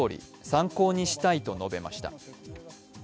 参考にしたいと述べました。